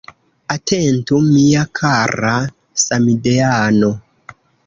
Atentu mia kara samideano.